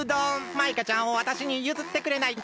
マイカちゃんをわたしにゆずってくれないか？